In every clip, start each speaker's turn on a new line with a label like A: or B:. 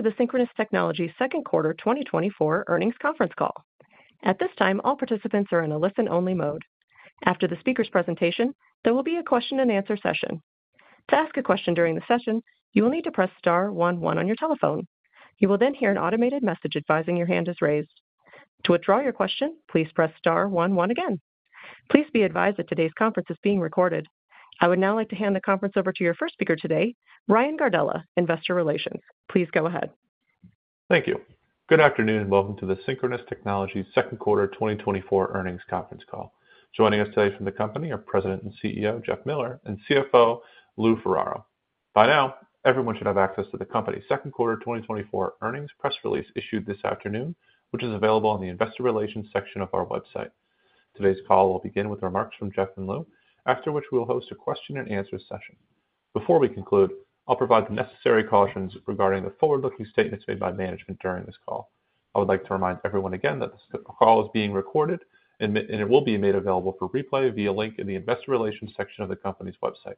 A: To the Synchronoss Technologies Second Quarter 2024 Earnings Conference Call. At this time, all participants are in a listen-only mode. After the speaker's presentation, there will be a question-and-answer session. To ask a question during the session, you will need to press star 11 on your telephone. You will then hear an automated message advising your hand is raised. To withdraw your question, please press star 11 again. Please be advised that today's conference is being recorded. I would now like to hand the conference over to your first speaker today, Ryan Gardella, Investor Relations. Please go ahead.
B: Thank you. Good afternoon and welcome to the Synchronoss Technologies Second Quarter 2024 Earnings Conference Call. Joining us today from the company are President and CEO Jeff Miller and CFO Lou Ferraro. By now, everyone should have access to the company's Second Quarter 2024 Earnings press release issued this afternoon, which is available in the Investor Relations section of our website. Today's call will begin with remarks from Jeff and Lou, after which we will host a question-and-answer session. Before we conclude, I'll provide the necessary cautions regarding the forward-looking statements made by management during this call. I would like to remind everyone again that this call is being recorded and it will be made available for replay via a link in the Investor Relations section of the company's website.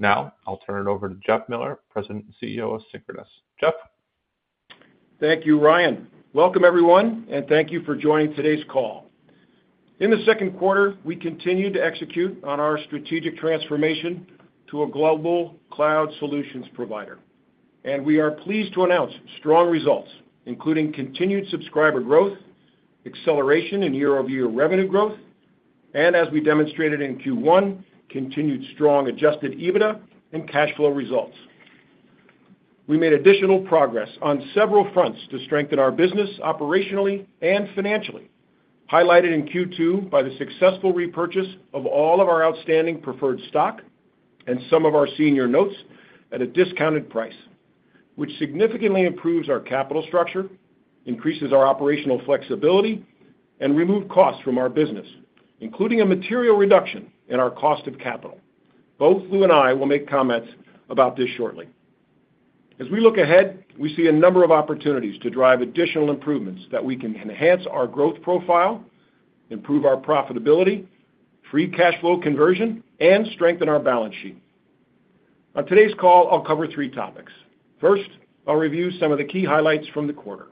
B: Now, I'll turn it over to Jeff Miller, President and CEO of Synchronoss. Jeff.
C: Thank you, Ryan. Welcome, everyone, and thank you for joining today's call. In the second quarter, we continued to execute on our strategic transformation to a global cloud solutions provider, and we are pleased to announce strong results, including continued subscriber growth, acceleration in year-over-year revenue growth, and, as we demonstrated in Q1, continued strong Adjusted EBITDA and cash flow results. We made additional progress on several fronts to strengthen our business operationally and financially, highlighted in Q2 by the successful repurchase of all of our outstanding preferred stock and some of our senior notes at a discounted price, which significantly improves our capital structure, increases our operational flexibility, and removes costs from our business, including a material reduction in our cost of capital. Both Lou and I will make comments about this shortly. As we look ahead, we see a number of opportunities to drive additional improvements that we can enhance our growth profile, improve our profitability, free cash flow conversion, and strengthen our balance sheet. On today's call, I'll cover three topics. First, I'll review some of the key highlights from the quarter,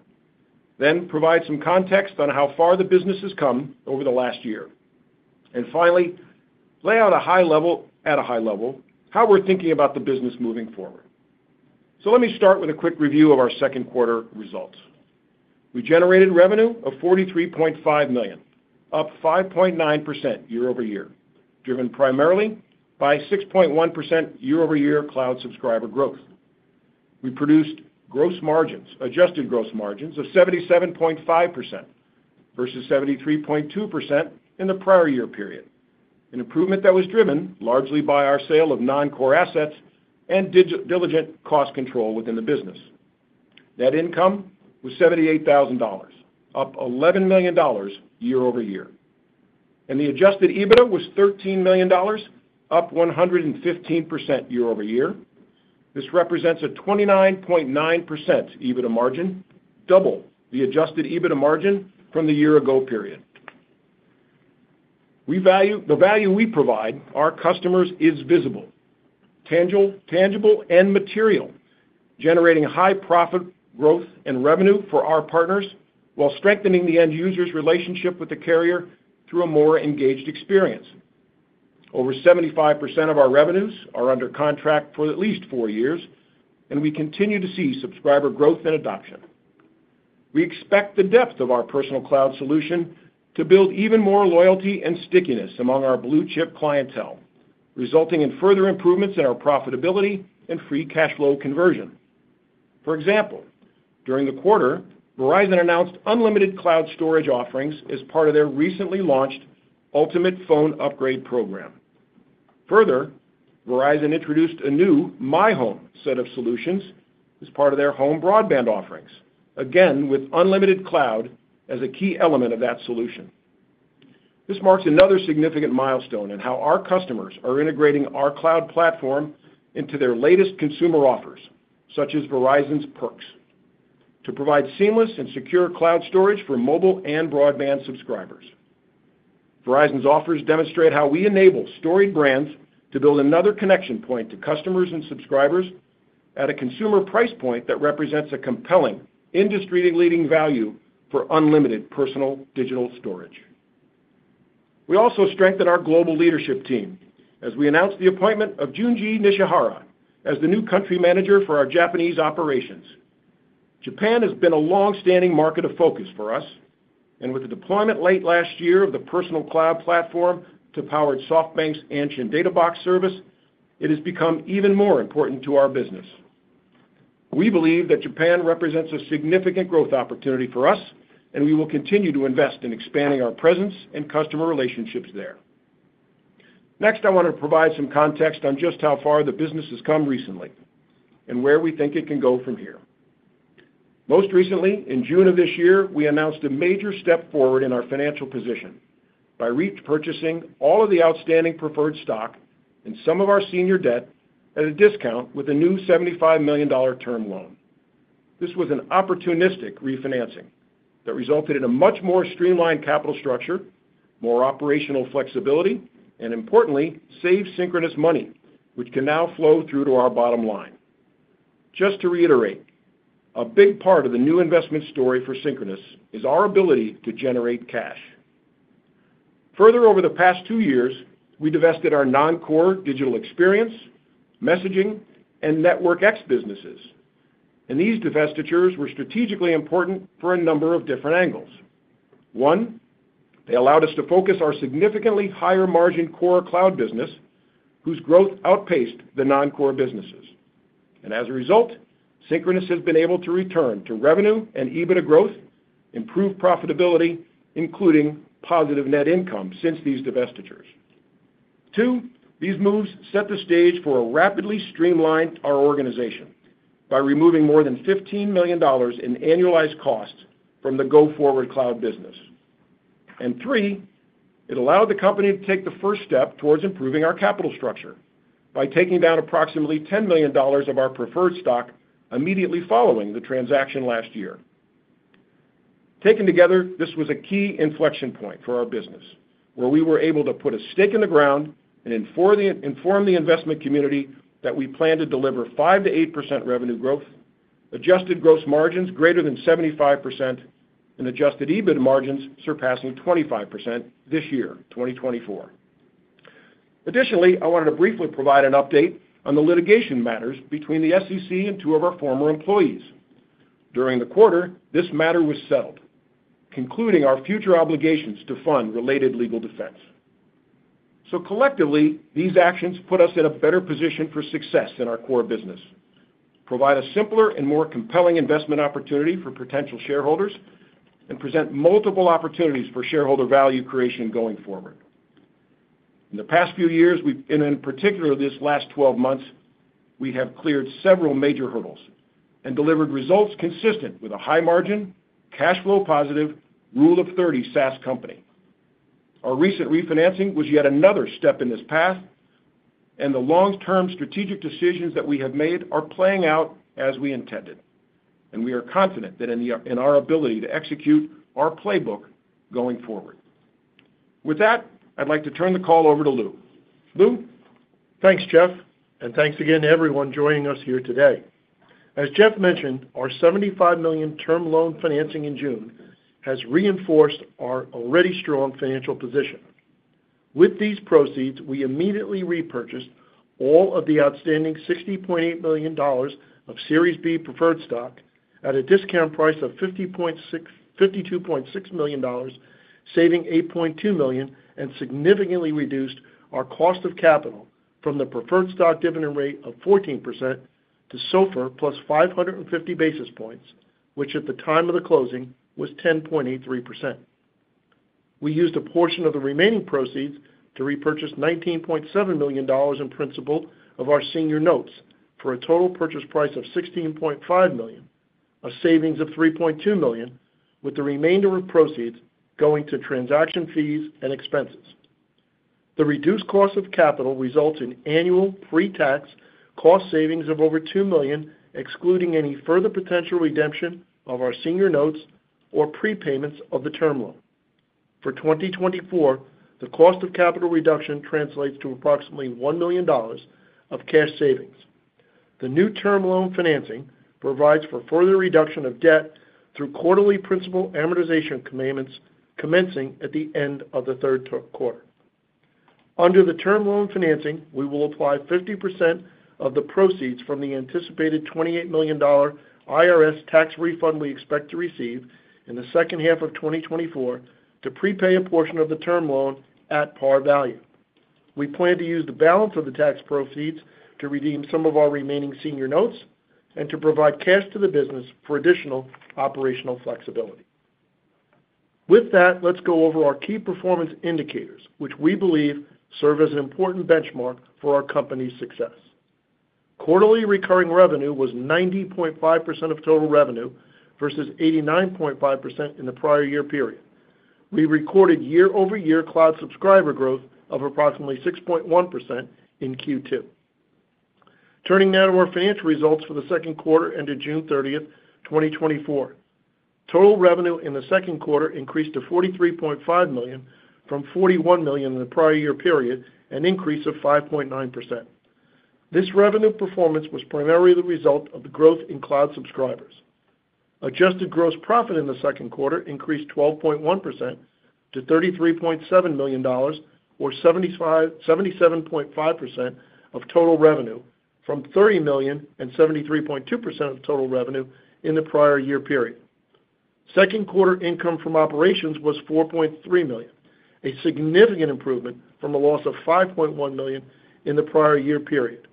C: then provide some context on how far the business has come over the last year, and finally, lay out at a high level how we're thinking about the business moving forward. So let me start with a quick review of our second quarter results. We generated revenue of $43.5 million, up 5.9% year-over-year, driven primarily by 6.1% year-over-year cloud subscriber growth. We produced gross margins, adjusted gross margins of 77.5% versus 73.2% in the prior year period, an improvement that was driven largely by our sale of non-core assets and diligent cost control within the business. Net income was $78,000, up $11 million year-over-year, and the adjusted EBITDA was $13 million, up 115% year-over-year. This represents a 29.9% EBITDA margin, double the adjusted EBITDA margin from the year-ago period. The value we provide our customers is visible, tangible and material, generating high profit growth and revenue for our partners while strengthening the end user's relationship with the carrier through a more engaged experience. Over 75% of our revenues are under contract for at least four years, and we continue to see subscriber growth and adoption. We expect the depth of our personal cloud solution to build even more loyalty and stickiness among our blue-chip clientele, resulting in further improvements in our profitability and free cash flow conversion. For example, during the quarter, Verizon announced unlimited cloud storage offerings as part of their recently launched Ultimate Phone Upgrade Program. Further, Verizon introduced a new myHome set of solutions as part of their home broadband offerings, again with unlimited cloud as a key element of that solution. This marks another significant milestone in how our customers are integrating our cloud platform into their latest consumer offers, such as Verizon's Perks, to provide seamless and secure cloud storage for mobile and broadband subscribers. Verizon's offers demonstrate how we enable storied brands to build another connection point to customers and subscribers at a consumer price point that represents a compelling, industry-leading value for unlimited personal digital storage. We also strengthen our global leadership team as we announce the appointment of Junji Nishihara as the new country manager for our Japanese operations. Japan has been a long-standing market of focus for us, and with the deployment late last year of the personal cloud platform that powers SoftBank's Anshin Data Box service, it has become even more important to our business. We believe that Japan represents a significant growth opportunity for us, and we will continue to invest in expanding our presence and customer relationships there. Next, I want to provide some context on just how far the business has come recently and where we think it can go from here. Most recently, in June of this year, we announced a major step forward in our financial position by repurchasing all of the outstanding preferred stock and some of our senior debt at a discount with a new $75 million term loan. This was an opportunistic refinancing that resulted in a much more streamlined capital structure, more operational flexibility, and importantly, saved Synchronoss money, which can now flow through to our bottom line. Just to reiterate, a big part of the new investment story for Synchronoss is our ability to generate cash. Further, over the past two years, we divested our non-core digital experience, messaging, and NetworkX businesses, and these divestitures were strategically important for a number of different angles. One, they allowed us to focus our significantly higher margin core cloud business, whose growth outpaced the non-core businesses. And as a result, Synchronoss has been able to return to revenue and EBITDA growth, improved profitability, including positive net income since these divestitures. Two, these moves set the stage for a rapidly streamlined organization by removing more than $15 million in annualized costs from the go-forward cloud business. Three, it allowed the company to take the first step towards improving our capital structure by taking down approximately $10 million of our preferred stock immediately following the transaction last year. Taken together, this was a key inflection point for our business, where we were able to put a stake in the ground and inform the investment community that we plan to deliver 5%-8% revenue growth, Adjusted Gross Margins greater than 75%, and Adjusted EBITDA margins surpassing 25% this year, 2024. Additionally, I wanted to briefly provide an update on the litigation matters between the SEC and two of our former employees. During the quarter, this matter was settled, concluding our future obligations to fund related legal defense. Collectively, these actions put us in a better position for success in our core business, provide a simpler and more compelling investment opportunity for potential shareholders, and present multiple opportunities for shareholder value creation going forward. In the past few years, and in particular this last 12 months, we have cleared several major hurdles and delivered results consistent with a high-margin, cash flow positive, Rule of 30 SaaS company. Our recent refinancing was yet another step in this path, and the long-term strategic decisions that we have made are playing out as we intended, and we are confident that in our ability to execute our playbook going forward. With that, I'd like to turn the call over to Lou. Lou, thanks, Jeff, and thanks again to everyone joining us here today. As Jeff mentioned, our $75 million term loan financing in June has reinforced our already strong financial position. With these proceeds, we immediately repurchased all of the outstanding $60.8 million of Series B Preferred Stock at a discount price of $52.6 million, saving $8.2 million and significantly reduced our cost of capital from the preferred stock dividend rate of 14% to SOFR plus 550 basis points, which at the time of the closing was 10.83%. We used a portion of the remaining proceeds to repurchase $19.7 million in principal of our senior notes for a total purchase price of $16.5 million, a savings of $3.2 million, with the remainder of proceeds going to transaction fees and expenses. The reduced cost of capital results in annual pre-tax cost savings of over $2 million, excluding any further potential redemption of our senior notes or prepayments of the term loan. For 2024, the cost of capital reduction translates to approximately $1 million of cash savings. The new term loan financing provides for further reduction of debt through quarterly principal amortization commitments commencing at the end of the third quarter. Under the term loan financing, we will apply 50% of the proceeds from the anticipated $28 million IRS tax refund we expect to receive in the second half of 2024 to prepay a portion of the term loan at par value. We plan to use the balance of the tax proceeds to redeem some of our remaining senior notes and to provide cash to the business for additional operational flexibility. With that, let's go over our key performance indicators, which we believe serve as an important benchmark for our company's success. Quarterly recurring revenue was 90.5% of total revenue versus 89.5% in the prior year period. We recorded year-over-year cloud subscriber growth of approximately 6.1% in Q2. Turning now to our financial results for the second quarter ended June 30th, 2024. Total revenue in the second quarter increased to $43.5 million from $41 million in the prior year period, an increase of 5.9%. This revenue performance was primarily the result of the growth in cloud subscribers. Adjusted gross profit in the second quarter increased 12.1% to $33.7 million, or 77.5% of total revenue, from $30 million and 73.2% of total revenue in the prior year period. Second quarter income from operations was $4.3 million, a significant improvement from a loss of $5.1 million in the prior year period.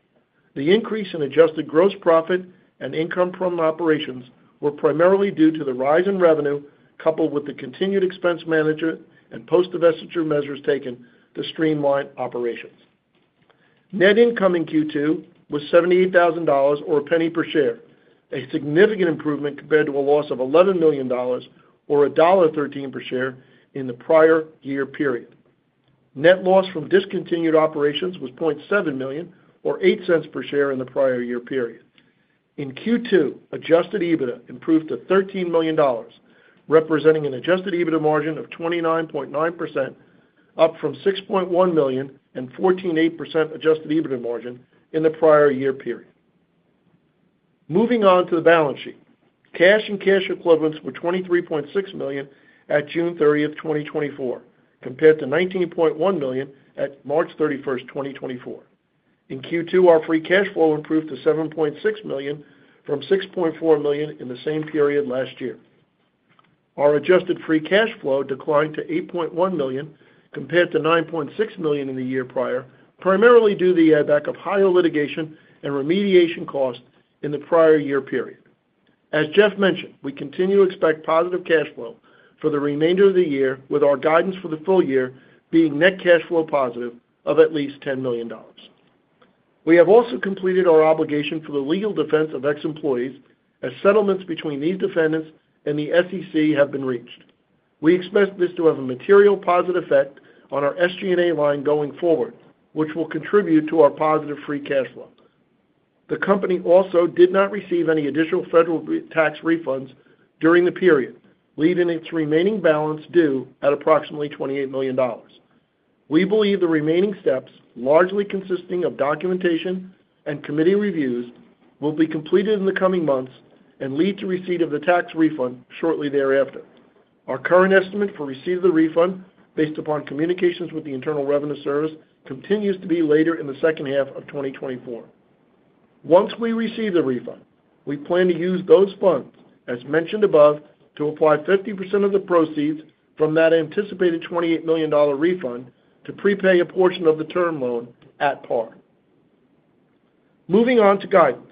C: The increase in adjusted gross profit and income from operations was primarily due to the rise in revenue coupled with the continued expense management and post-divestiture measures taken to streamline operations. Net income in Q2 was $78,000 or $0.01 per share, a significant improvement compared to a loss of $11 million, or $1.13 per share in the prior year period. Net loss from discontinued operations was $0.7 million, or $0.08 per share in the prior year period. In Q2, Adjusted EBITDA improved to $13 million, representing an Adjusted EBITDA margin of 29.9%, up from $6.1 million and 14.8% Adjusted EBITDA margin in the prior year period. Moving on to the balance sheet, cash and cash equivalents were $23.6 million at June 30th, 2024, compared to $19.1 million at March 31st, 2024. In Q2, our Free Cash Flow improved to $7.6 million from $6.4 million in the same period last year. Our adjusted free cash flow declined to $8.1 million compared to $9.6 million in the year prior, primarily due to the impact of higher litigation and remediation costs in the prior year period. As Jeff mentioned, we continue to expect positive cash flow for the remainder of the year, with our guidance for the full year being net cash flow positive of at least $10 million. We have also completed our obligation for the legal defense of ex-employees, as settlements between these defendants and the SEC have been reached. We expect this to have a material positive effect on our SG&A line going forward, which will contribute to our positive free cash flow. The company also did not receive any additional federal tax refunds during the period, leaving its remaining balance due at approximately $28 million. We believe the remaining steps, largely consisting of documentation and committee reviews, will be completed in the coming months and lead to receipt of the tax refund shortly thereafter. Our current estimate for receipt of the refund, based upon communications with the Internal Revenue Service, continues to be later in the second half of 2024. Once we receive the refund, we plan to use those funds, as mentioned above, to apply 50% of the proceeds from that anticipated $28 million refund to prepay a portion of the term loan at par. Moving on to guidance.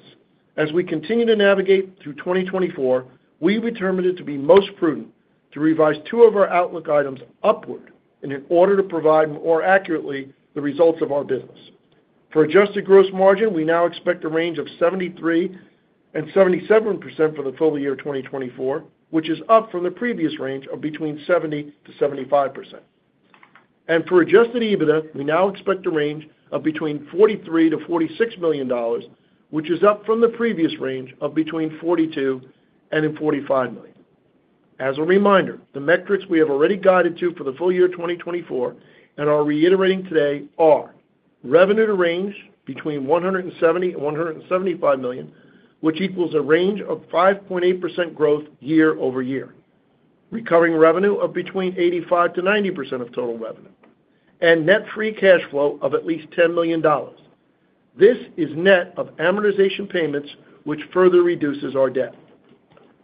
C: As we continue to navigate through 2024, we determined it to be most prudent to revise two of our outlook items upward in order to provide more accurately the results of our business. For adjusted gross margin, we now expect a range of 73%-77% for the full year 2024, which is up from the previous range of between 70%-75%. For adjusted EBITDA, we now expect a range of between $43 million-$46 million, which is up from the previous range of between $42 million and $45 million. As a reminder, the metrics we have already guided to for the full year 2024 and are reiterating today are revenue to range between $170 million and $175 million, which equals a range of 5.8% growth year-over-year, recurring revenue of between 85%-90% of total revenue, and net free cash flow of at least $10 million. This is net of amortization payments, which further reduces our debt.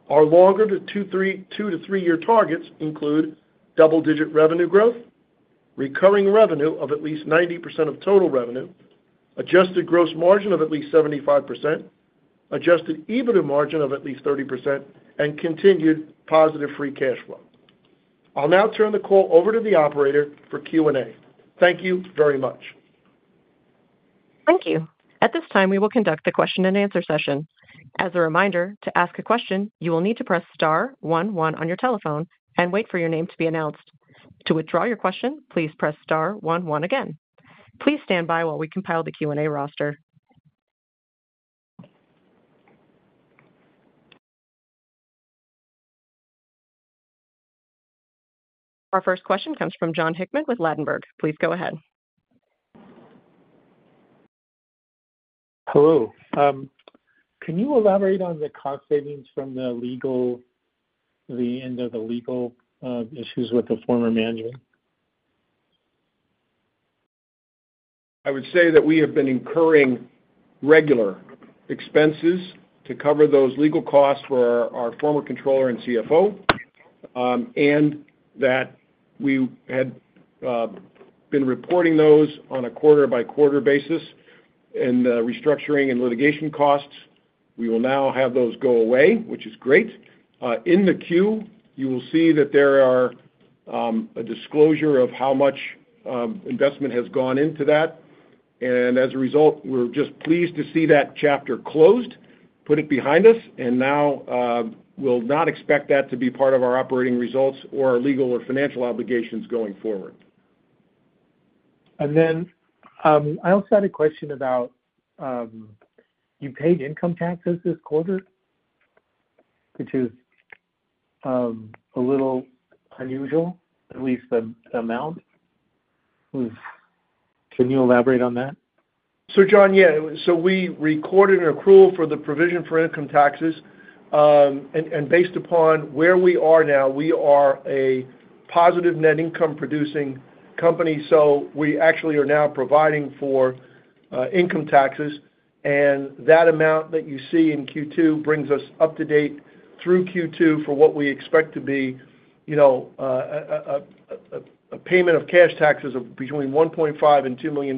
C: Our longer-term 2- to 3-year targets include double-digit revenue growth, recurring revenue of at least 90% of total revenue, adjusted gross margin of at least 75%, adjusted EBITDA margin of at least 30%, and continued positive free cash flow. I'll now turn the call over to the operator for Q&A. Thank you very much. Thank you. At this time, we will conduct the question and answer session. As a reminder, to ask a question, you will need to press star 11 on your telephone and wait for your name to be announced. To withdraw your question, please press star 11 again. Please stand by while we compile the Q&A roster. Our first question comes from Jon Hickman with Ladenburg. Please go ahead. Hello. Can you elaborate on the cost savings from the legal end of the legal issues with the former manager? I would say that we have been incurring regular expenses to cover those legal costs for our former controller and CFO, and that we had been reporting those on a quarter-by-quarter basis in the restructuring and litigation costs. We will now have those go away, which is great. In the queue, you will see that there is a disclosure of how much investment has gone into that. And as a result, we're just pleased to see that chapter closed, put it behind us, and now we'll not expect that to be part of our operating results or our legal or financial obligations going forward. And then I also had a question about you paid income taxes this quarter, which is a little unusual, at least the amount. Can you elaborate on that? So, Jon, yeah. So we recorded an accrual for the provision for income taxes. Based upon where we are now, we are a positive net income producing company. So we actually are now providing for income taxes. That amount that you see in Q2 brings us up to date through Q2 for what we expect to be a payment of cash taxes of between $1.5-$2 million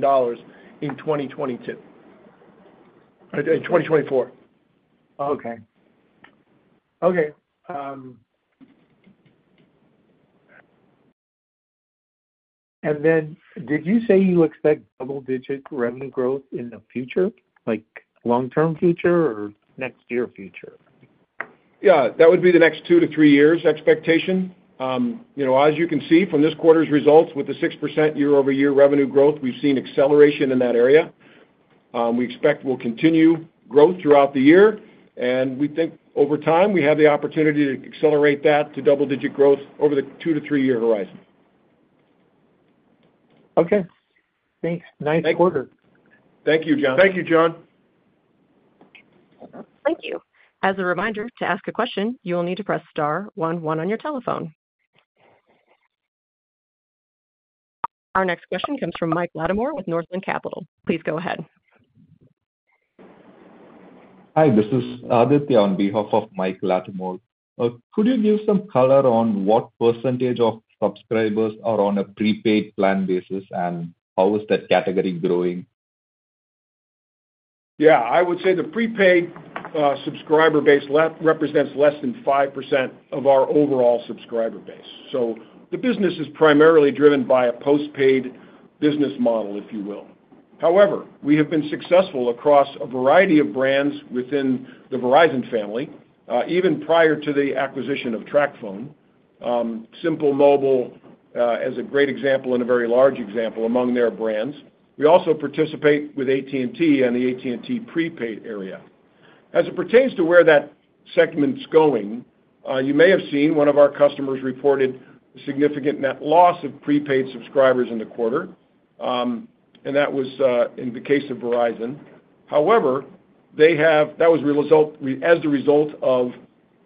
C: in 2024. Okay. Okay. Then did you say you expect double-digit revenue growth in the future, like long-term future or next year future? Yeah. That would be the next two to three years expectation. As you can see from this quarter's results with the 6% year-over-year revenue growth, we've seen acceleration in that area. We expect we'll continue growth throughout the year. We think over time we have the opportunity to accelerate that to double-digit growth over the two to three-year horizon. Okay. Thanks. Nice quarter. Thank you, Jon. Thank you, Jon. Thank you. As a reminder to ask a question, you will need to press star 11 on your telephone. Our next question comes from Mike Latimore with Northland Capital. Please go ahead. Hi, this is Aditya on behalf of Mike Latimore. Could you give some color on what percentage of subscribers are on a prepaid plan basis and how is that category growing? Yeah. I would say the prepaid subscriber base represents less than 5% of our overall subscriber base. So the business is primarily driven by a postpaid business model, if you will. However, we have been successful across a variety of brands within the Verizon family, even prior to the acquisition of TracFone. Simple Mobile is a great example and a very large example among their brands. We also participate with AT&T and the AT&T prepaid area. As it pertains to where that segment's going, you may have seen one of our customers reported significant net loss of prepaid subscribers in the quarter. And that was in the case of Verizon. However, that was a result of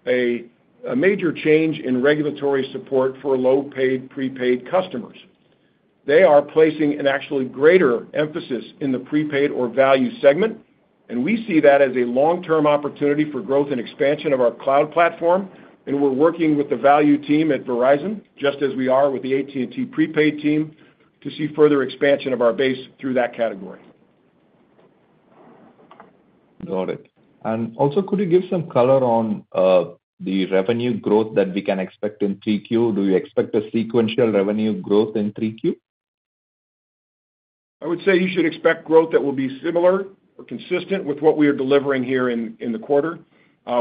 C: a major change in regulatory support for low-income prepaid customers. They are placing actually greater emphasis in the prepaid or value segment. And we see that as a long-term opportunity for growth and expansion of our cloud platform. And we're working with the value team at Verizon, just as we are with the AT&T prepaid team, to see further expansion of our base through that category. Got it. Also, could you give some color on the revenue growth that we can expect in Q3? Do you expect a sequential revenue growth in Q3? I would say you should expect growth that will be similar or consistent with what we are delivering here in the quarter.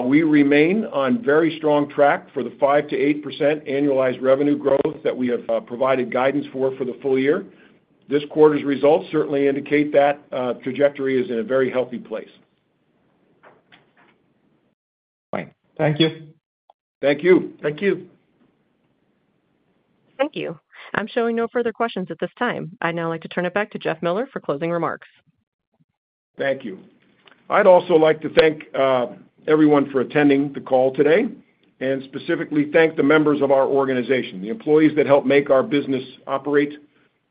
C: We remain on very strong track for the 5%-8% annualized revenue growth that we have provided guidance for for the full year. This quarter's results certainly indicate that trajectory is in a very healthy place. Fine. Thank you. Thank you. Thank you. Thank you. I'm showing no further questions at this time. I now like to turn it back to Jeff Miller for closing remarks. Thank you. I'd also like to thank everyone for attending the call today and specifically thank the members of our organization, the employees that help make our business operate,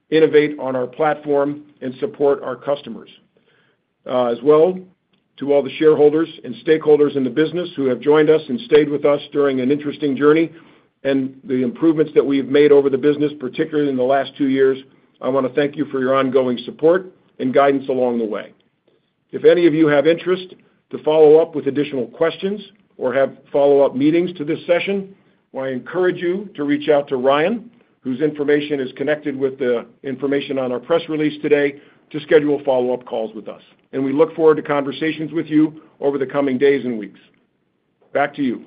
C: innovate on our platform, and support our customers. As well, to all the shareholders and stakeholders in the business who have joined us and stayed with us during an interesting journey and the improvements that we have made over the business, particularly in the last two years, I want to thank you for your ongoing support and guidance along the way. If any of you have interest to follow up with additional questions or have follow-up meetings to this session, I encourage you to reach out to Ryan, whose information is connected with the information on our press release today, to schedule follow-up calls with us. We look forward to conversations with you over the coming days and weeks. Back to you.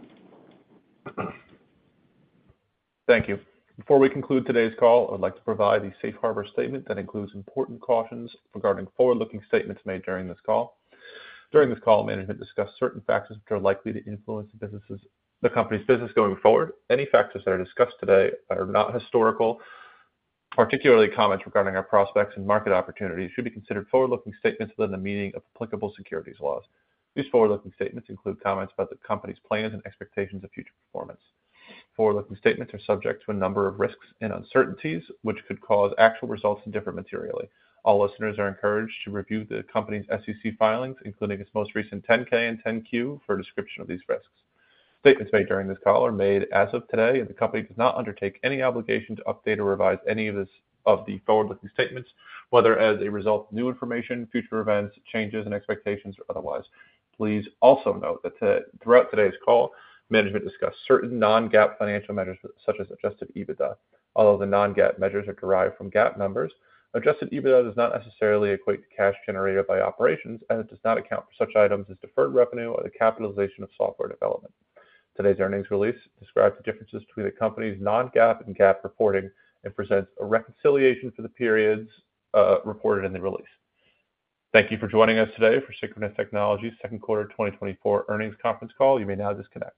C: Thank you. Before we conclude today's call, I'd like to provide a safe harbor statement that includes important cautions regarding forward-looking statements made during this call. During this call, management discussed certain factors which are likely to influence the company's business going forward. Any factors that are discussed today are not historical. Particularly, comments regarding our prospects and market opportunities should be considered forward-looking statements within the meaning of applicable securities laws. These forward-looking statements include comments about the company's plans and expectations of future performance. Forward-looking statements are subject to a number of risks and uncertainties, which could cause actual results to differ materially. All listeners are encouraged to review the company's SEC filings, including its most recent 10-K and 10-Q, for a description of these risks. Statements made during this call are made as of today, and the company does not undertake any obligation to update or revise any of the forward-looking statements, whether as a result of new information, future events, changes, and expectations, or otherwise. Please also note that throughout today's call, management discussed certain non-GAAP financial measures such as Adjusted EBITDA. Although the non-GAAP measures are derived from GAAP numbers, Adjusted EBITDA does not necessarily equate to cash generated by operations, and it does not account for such items as deferred revenue or the capitalization of software development. Today's earnings release describes the differences between the company's non-GAAP and GAAP reporting and presents a reconciliation for the periods reported in the release. Thank you for joining us today for Synchronoss Technologies' second quarter 2024 earnings conference call. You may now disconnect.